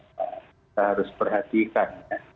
saya harus perhatikan ya